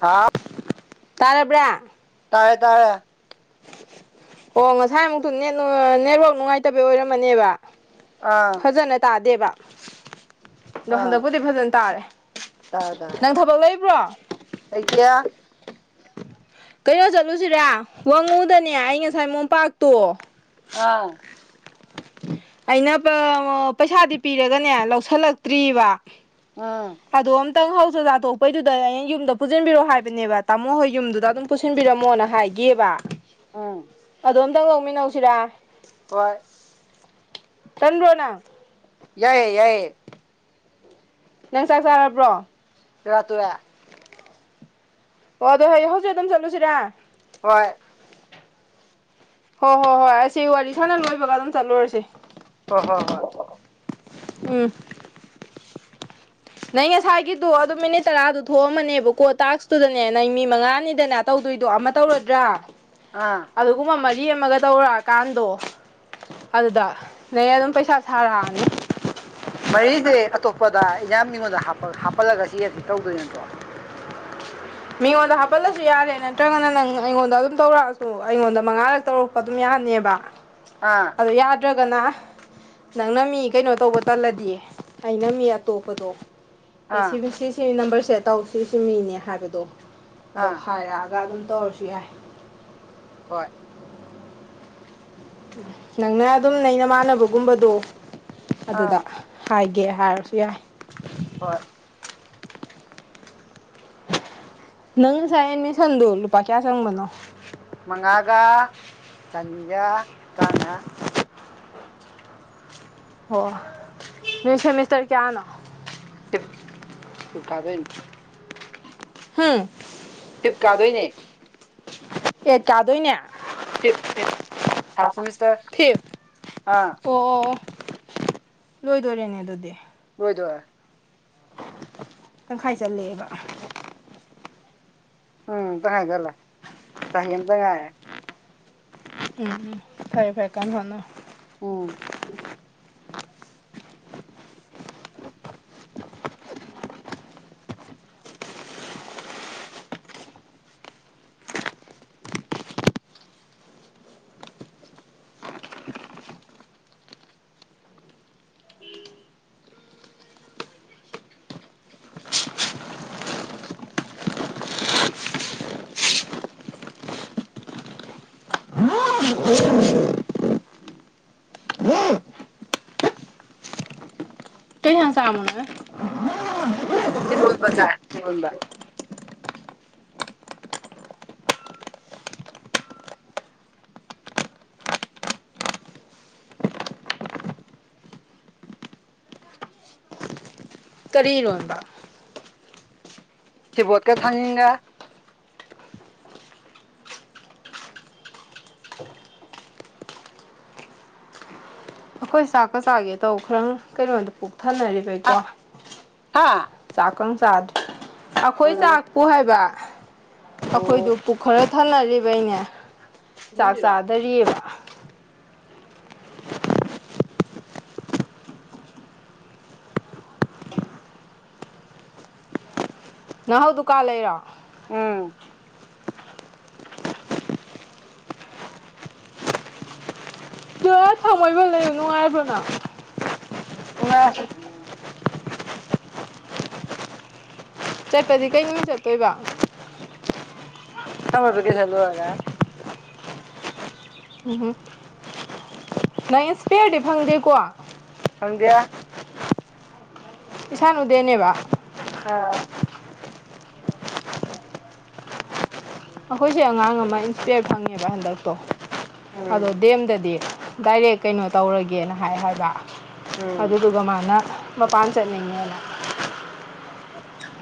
ꯍꯥꯥ ꯇꯥꯔꯕ꯭ꯔꯥ ꯇꯥꯌꯦ ꯇꯥꯌꯦ ꯑꯣ ꯉꯁꯥꯏꯃꯨꯛꯇꯨ ꯅꯠ ꯅꯦꯠꯋꯥꯛ ꯅꯨꯡꯉꯥꯏꯇꯕꯤ ꯑꯣꯏꯔꯝꯃꯅꯦꯕ ꯑꯥ ꯐꯖꯅ ꯇꯥꯗꯦꯕ ꯑꯗꯣ ꯍꯟꯗꯛꯄꯨꯗꯤ ꯐꯖꯅ ꯇꯥꯔꯦ ꯇꯥꯗ ꯅꯪ ꯊꯕꯛ ꯂꯩꯕ꯭ꯔꯣ ꯍꯥꯏꯗꯤꯌꯥ ꯀꯩꯅꯣ ꯆꯠꯂꯨꯁꯤꯔꯦ ꯋꯥꯡꯉꯨꯗꯅꯦ ꯑꯩ ꯉꯁꯥꯏ ꯃꯣꯝꯄꯥꯛꯇꯣ ꯑꯥ ꯑꯩꯅ ꯄꯩꯁꯥꯗꯤ ꯄꯤꯔꯒꯅꯦ ꯂꯧꯁꯤꯜꯂꯛꯇ꯭ꯔꯤꯕ ꯎꯝ ꯑꯗꯣ ꯑꯝꯇꯪ ꯍꯧꯖꯖꯥ ꯊꯣꯛꯄꯩꯗꯨꯗ ꯑꯌꯦꯩꯅ ꯌꯨꯝꯗ ꯄꯨꯁꯤꯟꯕꯤꯔꯣꯑꯣ ꯍꯥꯏꯕꯅꯦꯕ ꯇꯥꯃꯣ ꯍꯣꯏ ꯌꯨꯝꯗꯨꯗ ꯑꯗꯨꯝ ꯄꯨꯁꯤꯟꯕꯤꯔꯝꯃꯣꯅ ꯍꯥꯏꯒꯦꯕ ꯑꯥ ꯑꯗꯣ ꯑꯝꯇ ꯑꯣꯛꯃꯤꯟꯅꯧꯁꯤꯔꯥ ꯍꯣꯏ ꯇꯟꯗ꯭ꯔꯣꯅ ꯌꯥꯏꯌꯦ ꯌꯥꯏꯌꯦ ꯅꯪ ꯆꯥꯛ ꯆꯥꯔꯕ꯭ꯔꯣ ꯆ ꯇꯣꯛꯑ ꯑꯣ ꯑꯗꯣ ꯍꯌꯦꯡ ꯍꯧꯖꯤꯛ ꯑꯗꯨꯝ ꯆꯠꯂꯨꯁꯤꯔꯦ ꯍꯣꯏ ꯍꯣ ꯍꯣ ꯍꯣ ꯑꯁꯤ ꯋꯥꯔꯤ ꯁꯥꯟꯅ ꯂꯣꯏꯕꯒ ꯑꯗꯨꯝ ꯆꯠꯂꯨꯔꯁꯤ ꯍꯣ ꯍꯣ ꯍꯣ ꯎꯝ ꯅꯪ ꯉꯁꯥꯏꯒꯤꯗꯣ ꯑꯗꯨꯝ ꯃꯤꯅꯤꯠ ꯇꯔꯥꯗꯨ ꯊꯣꯛꯑꯝꯃꯅꯦꯕ ꯀꯣ ꯇꯁꯇꯨꯗꯅꯦ ꯅꯪ ꯃꯤ ꯃꯉꯥꯅꯤꯗꯅꯦ ꯇꯧꯗꯣꯏꯗꯣ ꯑꯃ ꯇꯧꯔꯗ꯭ꯔꯥ ꯑꯥ ꯑꯗꯨꯒꯨꯝꯕ ꯃꯔꯤ ꯑꯃꯒ ꯇꯧꯔꯛꯑꯀꯥꯟꯗꯣ ꯑꯗꯨꯗ ꯅ‌ꯦ ꯑꯗꯨꯝ ꯄꯩꯁꯥ ꯁꯥꯔꯛꯑꯅꯤ꯫ ꯃꯔꯤꯁꯦ ꯑꯇꯣꯞꯄꯗ ꯏꯌꯥꯝ ꯃꯤꯉꯣꯟꯗ ꯍꯥꯞꯄꯜꯂꯒ ꯁꯤ ꯑ‌ꯦꯞꯁꯤ ꯇꯧꯗꯣꯏ ꯅꯠꯇ꯭ꯔꯣ ꯃꯤꯉꯣꯟꯗ ꯍꯥꯞꯄꯜꯂꯁꯨ ꯌꯥꯔꯦ ꯅꯠꯇ꯭ꯔꯒꯅ ꯅꯪ ꯑꯩꯉꯣꯟꯗ ꯑꯗꯨꯝ ꯇꯧꯔꯛꯑꯁꯨ ꯑꯩꯉꯣꯟꯗ ꯃꯉꯥꯔꯛ ꯇꯧꯔꯛꯄ ꯑꯗꯨꯝ ꯌꯥꯅꯦꯕ꯫ [unintelligible] ꯑꯥ ꯑꯗꯨ ꯌꯥꯗ꯭ꯔꯥꯒꯅ ꯅꯪꯅ ꯃꯤ ꯀꯩꯅꯣ ꯇꯧꯕ ꯇꯜꯂꯗꯤ ꯑꯩꯅ ꯃꯤ ꯑꯇꯣꯞꯄꯗꯣ ꯑꯦ ꯁꯤ ꯑꯥ ꯁꯤ ꯁꯤ ꯅꯝꯕꯔꯁꯦ ꯇꯧ ꯁꯤ ꯁꯤ ꯃꯤꯅꯦ ꯍꯥꯏꯕꯗꯣ ꯑꯗꯣ ꯑꯥ ꯍꯥꯏꯔꯛꯑꯒ ꯑꯗꯨꯝ ꯇꯧꯔꯁꯨ ꯌꯥꯏ ꯍꯣꯏ ꯅꯪꯅ ꯑꯗꯨꯝ ꯅꯩ ꯅꯃꯥꯟꯅꯕꯒꯨꯝꯕꯗꯣ ꯑꯗꯨꯗ ꯑꯥ ꯍꯥꯏꯒꯦ ꯍꯥꯏꯔꯁꯨ ꯌꯥꯏ ꯍꯣꯏ ꯅꯪ ꯉꯁꯥꯏ ꯑꯦꯠꯃꯤꯁꯟꯗꯣ ꯂꯨꯄꯥ ꯀꯌꯥ ꯆꯪꯕꯅꯣ ꯃꯉꯥꯒ ꯆꯅꯤꯒ ꯇꯔꯥ ꯃꯉꯥ ꯑꯣ ꯅꫭꯏ ꯁꯦꯃꯤꯁꯇꯔ ꯀꯌꯥꯅꯣ ꯐꯤꯞ ꯐꯤꯞ ꯀꯥꯕꯩꯅꯤ ꯍꯨꯝ ꯐꯤꯞ ꯀꯥꯗꯣꯏꯅꯦ ꯑ‌ꯦꯠ ꯀꯥꯗꯣꯏꯅꯦ fifth fifth five semester fifth ꯑꯥ ꯑꯣ ꯑꯣ ꯑꯣ ꯂꯣꯏꯗꯣꯔꯦꯅꯦ ꯑꯗꯨꯗꯤ꯫ ꯂꫭꯏꯗꫭꯔ‌‌ꯦ ꯇꯪꯈꯥꯏ ꯆꯜꯂꯦꯑꯦꯕ꯫ ꯎꯝ ꯇꯈꯥꯏꯆꯜꯂꯦ ꯆꯍꯤ ꯑꯃꯇ ꯉꯥꯏꯔꯦ꯫ ꯎꯝ ꯎꯝ ꯐꯩ ꯐꯩ ꯀꯥꯟꯅ ꯍꫭꯠꯅꯧ ꯎꯝ [unintelligible] ꯎꯝ [unintelligible] ꯀꯩ ꯏꯟꯖꯥꯡ ꯆꯕꯅꫭ ꯅꯪꯅ ꯏꯔꫭꯜꯕ ꯆꯥꯏ ꯏꯔꫭꯜꯕ ꯀꯔꯤ ꯏꯔꫭꯟꯕ ꯁꯤꯕꯣꯠꯀ ꯊꯥꯡꯖꯤꯡꯒ ꯑꯩꯈꯣꯏ ꯆꯥꯛꯀ ꯆꯥꯒꯦ ꯇꯧ ꯈꯔ ꯀꯩꯅꯣꯗ ꯍꯥ ꯄꯨꯛꯊꯟꯅꯔꯤꯕꯩꯀꯣ ꯍꯥ ꯆꯥꯛꯀ ꯆꯥꯗꯔꯤ ꯑꯩꯈꯣꯏ ꯑꯥ ꯆꯥꯛꯄꯨ ꯍꯥꯏꯕ ꯑꯩꯈꯣꯏꯗꯨ ꯑꯣ ꯄꯨꯈꯔ ꯊꯟꯅꯔꯤꯕꯩꯅꯦ ꯆꯥꯛ ꯐꯤꯂꯝꯒꯤꯔꯣ ꯆꯥꯗꯔꯤꯑꯦꯕ꯫ ꯅꯍ [unintelligible] ꯍꯧ ꯗꯨꯀꯥꯟ ꯂꯩꯔꯣ ꯎꯝ ꯄꯨꯔꯥ [unintelligible] ꯊꯥꯡꯃꯩꯕꯟ ꯂꯩꯕ ꯅꯨꯡꯉꯥꯏꯕ꯭ꯔꯣ ꯅꯪ ꯅꯨꯉꯥꯏ ꯆꯠꯄꯗꯤ ꯀꯩ ꯅꯨꯃꯤꯠ ꯆꯠꯇꯣꯏꯕ ꯁꯝꯃꯔ ꯚ‌ꯦꯀ‌ꯦꯁꯟ ꯂꫭꯏꯔꯒ ꯎꯝ ꯅꯪ ꯏꯟꯁꯄꯤꯌꯔꯗꯤ ꯐꯪꯗꯦꯀꯣ ꯐꯪꯗ‌ꯦ ꯏꯁꯥꯟꯎꯗꯦꯅꯦꯕ [unintelligible] ꯑꯥ ꯑꯩꯈꯣꯏꯁꯨ ꯑꯉꯥꯡ ꯑꯃ ꯏꯟꯁꯄꯤꯌꯔ ꯐꯪꯉꯦꯕ ꯍꯟꯗꯛꯇꯣ ꯎꯝ ꯑꯗꯣ ꯗꯤꯑꯦꯝꯗꯗꯤ ꯗꯥꯏꯔꯦꯛ ꯀꯩꯅꯣ ꯇꯧꯔꯒꯦꯅ ꯍꯥꯏ ꯍꯥꯏꯕ ꯎꯝ ꯑꯗꯨꯗꯨꯒ ꯃꯥꯅ ꯃꯄꯥꯟ ꯆꯠꯅꯤꯡꯉꯦꯅ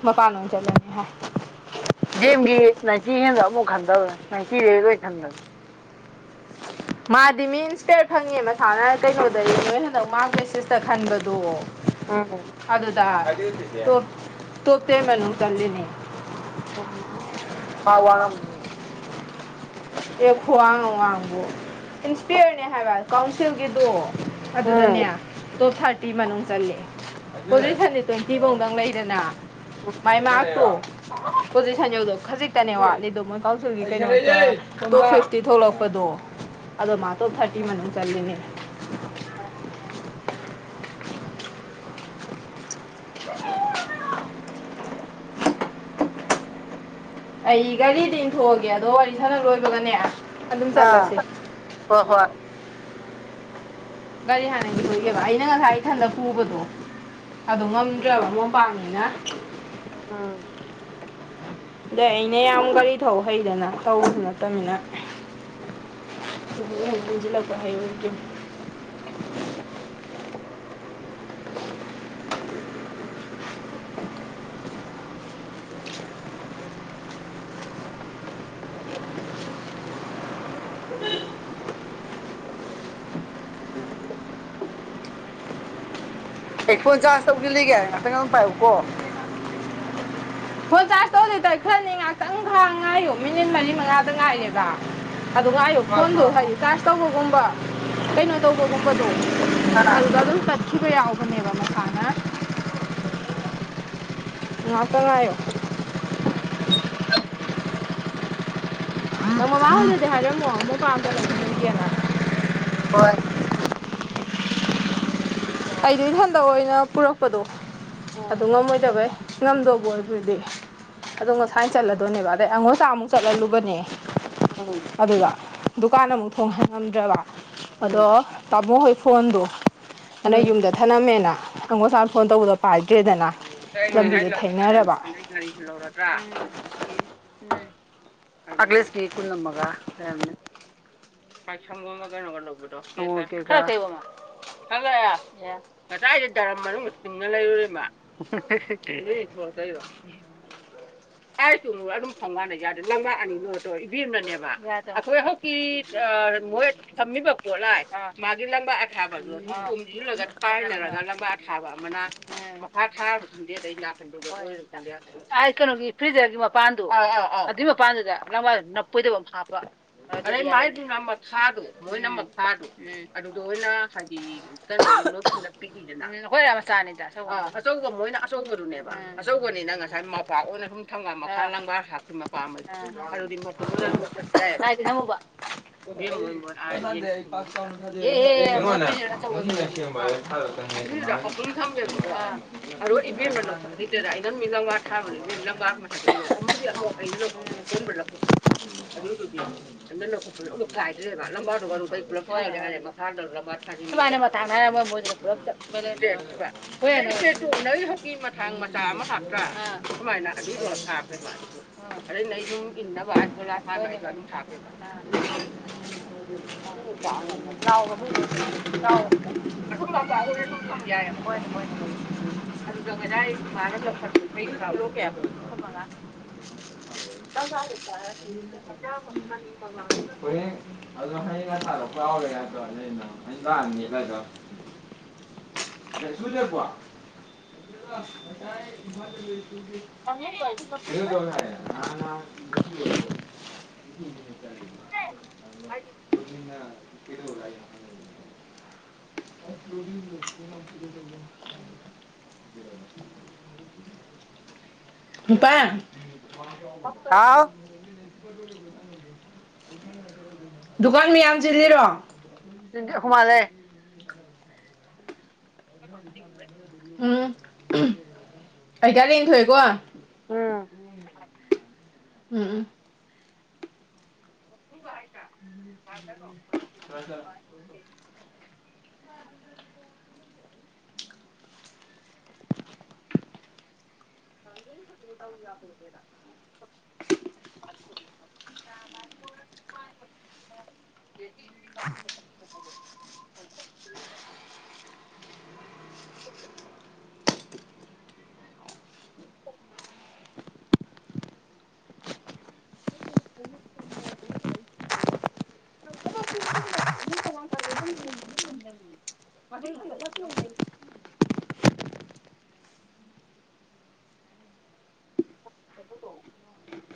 ꯃꯄꯥꯟꯂꯣꯝ ꯆꯠꯂꯅꯤ ꯍꯥꯏ꯫ ꯗꯤ ꯑꯦꯝꯒꯤ ꯅꯥꯏꯟꯇꯤ ꯍꯦꯟꯗꯕ ꯑꯃꯧ ꯈꯟꯗꯕꯅꯦ ꯅꯥꯏꯟꯇꯤꯗꯒꯤ ꯂꯣꯏ ꯈꯟꯕꯅꯦ ꯃꯥꯗꯤ ꯃꯤ ꯏꯟꯁꯄꯤꯌꯔ ꯐꯪꯉꯦ ꯃꯁꯥꯅ ꯀꯩꯅꯣꯗꯗꯤ ꯅꯣꯏ ꯍꯟꯗꯛ ꯃꯥꯔ꯭ꯛ ꯚꯦꯁꯤꯁꯇ ꯈꯟꯕꯗꯣ ꯎꯝ ꯑꯗꯨꯗ ꯇꯣꯞ ꯇꯣꯟ ꯃꯅꯨꯡ ꯆꯜꯂꯤꯅꯤ ꯎꯝ ꯑꯦ ꯈ꯭ꯋꯥꯡ ꯑꯋꯥꯡꯕꯨ ꯏꯟꯁꯄꯤꯌꯔꯅꯦ ꯍꯥꯏꯕ ꯀꯥꯎꯟꯁꯤꯜꯒꯤꯗꯣ ꯑꯗꯨꯗꯅꯦ ꯎꯝ ꯇꯣꯞ ꯀꯤ ꯃꯅꯨꯡ ꯆꯜꯂꯦ ꯄꯣꯖꯤꯁꯟꯗꯤ ꯇ꯭ꯋꯦꯟꯇꯤꯕꯨꯛꯇꯪ ꯂꯩꯗꯅ ꯃꯥꯏ ꯃꯥꯔꯛꯇꯣ ꯄꯣꯖꯤꯁꯟ ꯌꯧꯗꯧ ꯈꯖꯤꯛꯇꯅꯦ ꯋꯥꯠꯂꯤꯗꯣ ꯃꯣꯏ ꯀꯥꯎꯟꯁꯤꯜꯒꯤ ꯀꯩꯅꯣ 'inaudible' ꯇꯣꯞ ꯐꯤꯐꯇꯤ ꯊꯣꯛꯂꯛꯄꯗꯣ ꯑꯗꯣ ꯃꯥ ꯇꯣꯞ ꯊꯥꯔꯇꯤ ꯃꯅꯨꯡ ꯆꯜꯂꯤꯅꯤ ꯑ ꯑꯩ ꯒꯔꯤꯗꯤ ꯏꯟꯊꯣꯛꯑꯒꯦ ꯑꯗꯣ ꯋꯥꯔꯤ ꯁꯅ ꯂꯣꯏꯕꯒꯅꯦ ꯑꯥ ꯍꯣꯏ ꯍꯣꯏ ꯒꯥꯔꯤ ꯍꯥꯟꯅ ꯏꯟꯊꯣꯛꯏꯒꯦꯕ ꯑꯩꯅ ꯉꯁꯥꯏ ꯏꯊꯟꯗ ꯄꯨꯕꯗꯨ ꯑꯗꯨ ꯉꯝꯗ꯭ꯔꯕ ꯃꯣꯝꯄꯥꯛꯅꯤꯅ ꯎꯝ ꯑꯗꯩ ꯑꯩꯅ ꯌꯥꯝ ꯒꯥꯔꯤ ꯊꯧꯕ ꯍꯩꯗꯅ ꯊꯧꯕꯁꯨ ꯅꯠꯇꯃꯤꯅ ꯍ ꯍꯖꯤ ꯂꯄꯥ ꯍꯥꯏ ꯑꯣꯏ [unintelligible] ꯑꯩ ꯐꯣꯟ ꯆꯥꯔꯖ ꯇꯧꯁꯤꯜꯂꯤꯒꯦ ꯉꯥꯛꯇꯪ ꯑꯗꯨꯝ ꯄꯥꯏꯌꯨꯀꯣ ꯐꯣꯟ ꯆꯥꯔꯁ ꯇꯧ ꯂꯤꯇꯔ ꯈ꯭ꯔꯅꯤ ꯉꯥꯛꯇꯪ ꯉꯥꯏꯌꯨ ꯃꯤꯅꯤꯠ ꯃꯔꯤ ꯃꯉꯥꯗ ꯉꯥꯏꯔꯦꯕ ꯑꯗꯨ ꯉꯥꯏꯎ ꯍꯣꯏ ꯐꯣꯟꯗꯨ ꯍꯣꯏ ꯍꯥꯏꯗꯤ ꯆꯥꯔ꯭ꯁ ꯇꯧꯕꯒꯨꯝꯕ ꯀꯩꯅꯣ ꯇꯧꯕꯒꯨꯝꯕꯗꯣ ꯍꯥ ꯑꯗꯨꯗ ꯑꯗꯨꯝ ꯇꯠꯈꯤꯕ ꯌꯥꯎꯕꯅꯦꯕ ꯃꯁꯥꯅ ꯎꯝ ꯉꯥꯛꯇꯪ ꯉꯥꯏꯌꯣ ꯑꯗ ꯃꯕꯥ ꯑꯣꯏꯅꯗꯤ ꯍꯥꯏꯔꯝꯃꯣ ꯃꯛ ꯄꯥꯝꯇ ꯂꯒꯦꯅ ꯍꯣꯏ ꯑꯩꯗꯤ ꯢꯊꯟꯗ ꯑꯣꯏꯅ ꯄꯨꯔꯛꯄꯗꯣ ꯑꯗꯨ ꯎꯝ ꯉꯝꯃꯣꯏꯗꯕꯩ ꯉꯝꯗꯧꯕ ꯑꯣꯏ ꯑꯗꯨꯗꯤ ꯑꯗꯣ ꯉꯁꯥꯏ ꯆꯠꯂꯗꯣꯏꯅꯦꯕ ꯑꯗꯩ ꯑꯉꯣꯆꯥ ꯑꯃꯨꯛ ꯆꯠꯍꯜꯂꯨꯕꯅꯦ ꯎꯝ ꯑꯗꯨꯗ ꯗꯨꯀꯥꯟ ꯑꯃꯨꯛ ꯊꯣꯡ ꯍꯥꯡꯉꯝꯗ꯭ꯔꯕ ꯑꯗꯣ ꯎꯝ ꯇꯥꯃꯣ ꯍꯣꯏ ꯐꯣꯟꯗꯣ ꯎꯝ ꯑꯗꯩꯩ ꯌꯨꯝꯗ ꯊꯅꯝꯃꯦꯅ ꯑꯉꯣꯆꯥ ꯐꯣꯟ ꯇꯧꯕꯗ ꯄꯥꯏꯗ꯭ꯔꯦꯗꯅ ꯅꯦ ꯂꯝꯕꯤꯗꯣ [unintelligible] ꯊꯩꯅꯔꯕ ꯂꯧꯦꯟꯁꯤ [unintelligible] ꯅ [unintelligible] ꯉꯥꯔꯤꯁꯨ ꯂꯧꯔꯗ꯭ꯔꯥ ꯉꯁꯤꯒꯤ ꯎꯝ ꯑꯒꯁꯀꯤ ꯀꯨꯟ ꯑꯃꯒ ꯂꯩꯔꯝꯅꯤ ꯄꯥꯏ ꯁꯒ ꯀꯩꯅ ꯂꯧꯕꯗꯣ ꯍꯜꯂꯛꯑꯦ ꯉꯁꯥꯏꯗꯩ ꯗꯔꯝ ꯃꯅꯨꯡꯗ ꯇꯤꯡꯉ ꯂꯩꯔꯨꯨꯔꯤꯝ ꯃꯥ ꯀ ꯀꯥꯏ ꯇꯨꯅꯨꯔ ꯑꯗꯨꯝ ꯐꯪ ꯀꯥꯟꯗ ꯌꯥꯗꯦ ꯂꯝꯉꯥꯛ ꯑꯅꯤ ꯂꯣꯏꯔ ꯇꯧ ꯏꯕꯤꯝꯅꯅꯦꯕ ꯑꯩꯈꯣꯏ ꯍꯧꯖꯤꯀꯤ ꯃꯣꯏ ꯊꯝꯃꯤꯕ ꯄꯣꯠꯂꯥꯏ ꯃꯥꯒꯤ ꯂꯝꯕꯥ ꯑꯊꯥꯕꯗꯣꯣꯝꯁꯤꯜꯂꯒ ꯇꯥꯏꯅꯔꯒ ꯂꯝꯕꯥ ꯊꯥꯕ ꯑꯃꯅ ꯃꯥ ꯊꯥ ꯈꯪꯗꯦ ꯑꯗꯩꯟꯗ ꯀꯩꯅꯣꯒꯤ ꯐ꯭ꯔꯤꯖꯔꯒꯤ ꯃꯄꯥꯟꯗꯣ ꯑꯗꯨꯏ ꯃꯄꯥꯟꯗꯨꯗ ꯂꯪꯕ꯭ꯔꯥꯗꯨ ꯅꯞꯄꯣꯏꯗꯕ ꯑꯃ ꯍꯥꯞꯄ ꯑꯗꯩ ꯃꯥꯏꯗꯨꯅ ꯃꯊꯥꯗꯨ ꯃꯣꯏꯅ ꯄꯊꯥꯗꯨ ꯎꯝ ꯑꯗꯨꯗ ꯑꯣꯏꯅ ꯍꯥꯏꯗꯤ ꯀꯩꯅꯣꯒꯤ ꯅ [unintelligible] ꯄꯤꯛ ꯑꯩꯈꯣꯏ ꯃꯆꯥꯅꯤꯗꯆ ꯑꯆꯧꯕ ꯃꯣꯏꯅ ꯑꯆꯧꯕꯗꯨꯅꯦꯕ ꯑ ꯑꯆꯧꯕꯅꯤꯅ ꯉꯁꯥꯏ ꯃꯄꯥꯛ ꯑꯣꯏꯅ ꯁꯨꯝ ꯊꯪ ꯃꯈꯥ ꯂꯥꯡꯕ ꯍꯥꯞꯃ ꯄꯥꯝꯗꯤ ꯑꯗꯨꯗꯤ ꯃꯇꯃ ꯍꯠꯇ ꯀ [unintelligible] ꯑ ꯌꯦꯟ ꯀ ꯌꯦ ꯌꯦꯦ ꯃꯣꯏ ꯐ ꯆꯣꯏꯕꯅꯤ ꯑꯗꯨꯗꯨꯗ ꯑꯍꯨꯝ ꯊꯝꯒꯦꯝꯕꯀꯣ ꯑꯔꯣ ꯏꯕꯦꯝꯅ ꯂꯧꯈꯠ ꯍꯩꯇꯣꯏꯔꯥ ꯑꯩꯅꯪ ꯃꯤ ꯂꯪꯒꯥ ꯊꯥꯕꯅꯦꯦꯝ ꯂꯪꯒꯥꯒ ꯃꯊꯛꯇꯗ ꯑꯃꯗꯤꯗꯤ ꯑꯃꯨꯛ ꯑꯩꯅ ꯂ ꯀꯣꯟꯕ꯭ꯔ ꯂꯧꯈꯠꯄꯗꯣ ꯑꯗꯨꯏꯗꯨꯗꯤ ꯑꯗꯨꯅ ꯂꯧꯈꯠꯄꯁꯨ ꯑꯃꯧ ꯀꯥꯏꯗ꯭ꯔꯦꯕ ꯂꯝꯕ꯭ꯔꯥꯗꯨꯒ ꯀꯩ ꯄꯨꯂꯞ ꯀꯥꯏꯅ [unintelligible] ꯍꯥꯏꯔꯦ [unintelligible] ꯃꯈꯥꯗ ꯏꯃꯅ [unintelligible] ꯃꯊꯥꯡ ꯍꯥꯏꯔꯝꯃꯣꯏ ꯃꯣꯏꯗꯨꯅ ꯄꯨꯂꯞ ꯆ [unintelligible] ꯍꯣꯏꯁꯦ ꯇꯣꯡꯅꯔꯤ ꯍꯧꯖꯤꯀꯤ ꯃꯊꯥꯡ ꯃꯆꯥ ꯑꯃ ꯍꯥꯞꯇ꯭ꯔꯥ ꯁꯨꯃꯥꯏꯅ ꯑꯗꯨꯏꯗꯨ ꯍꯥꯞꯄ꯭ꯔꯦꯕ ꯑꯗꯨꯁꯨ ꯑꯗꯩ ꯅ ꯁꯨꯝ ꯏꯟꯅꯕ ꯍꯥꯏ ꯇꯣꯂꯥ ꯇꯥꯕꯅꯦꯕ ꯑꯗꯨꯝ ꯍꯥꯞꯄꯦꯕ [inaudible] ꯑꯨꯝꯆꯥꯈꯔ ꯁꯨꯝ ꯁꯝ ꯌꯥꯏꯌꯦꯕ ꯍꯣꯏꯅꯦ ꯍꯣꯏꯅꯦ ꯍꯣꯏ ꯑꯗꯨꯗ ꯉꯁꯥꯏ ꯃꯥꯅ ꯂꯧꯈꯠꯄ ꯀꯦ [unintelligible] ꯊ [unintelligible] ꯀ ꯍꯇꯥ ꯍꯅꯤ ꯀꯦꯃꯅꯤ ꯃꯃꯒ ꯈꯦ ꯑꯗꯨ ꯔ ꯀꯥꯎꯔꯦꯗ ꯑꯩꯅ ꯑ ꯇꯅꯤꯒꯗꯣ ꯆꯨꯦ ꯄꯣ ꯑꯦꯇꯥꯏ ꯏꯃ ꯀ ꯇꯉ ꯑꯗꯨ [unintelligible] [unintelligible] ꯎꯄꯥ ꯍꯥꯎ [unintelligible] ꯗꯨꯀꯥꯟ ꯃꯤ ꯌꯥꯝ ꯆꯤꯜꯂꯤꯔꯣ ꯑꯈꯣꯏ ꯃꯥ ꯂꯥꯛꯑꯦ ꯃꯦ ꯎꯝ ꯑꯩꯇꯥꯔ ꯌꯦꯊꯣꯛꯑꯦꯀꯣ ꯎꯝ ꯎꯝ ꯎꯝ ꯎꯝ [inaudible] ꯍꯖ [unintelligible] ꯀ ꯄꯅꯤꯗ ꯎ ꯌꯥ ꯐꯣꯒꯦꯔ [inaudible] [inaudible] [unintelligible] [inaudible] [inaudible] ꯃ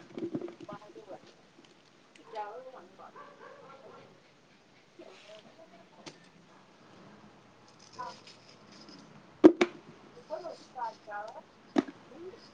ꯑꯣ [inaudible] ꯄꯗꯕ ꯌꯥ [inaudible] [unintelligible]